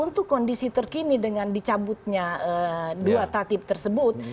itu kondisi terkini dengan dicabutnya dua tatib tersebut